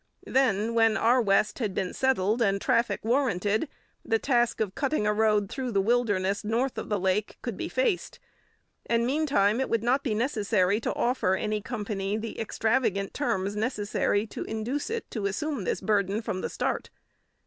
Then, when our West had been settled and traffic warranted, the task of cutting a road through the wilderness north of the lake could be faced, and meantime it would not be necessary to offer any company the extravagant terms necessary to induce it to assume this burden from the start.